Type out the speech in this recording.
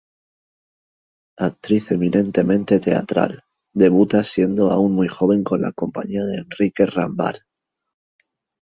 Actriz eminentemente teatral, debuta siendo aun muy joven con la compañía de Enrique Rambal.